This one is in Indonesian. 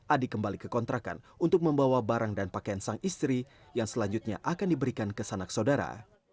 adi kembali ke kontrakan untuk membawa barang dan pakaian sang istri yang selanjutnya akan diberikan ke sanak saudara